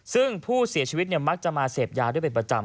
ซึ่งผู้เสียชีวิตมักจะมาเสพยาด้วยเป็นประจำ